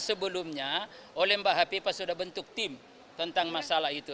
sebelumnya oleh mbak hapipa sudah bentuk tim tentang masalah itu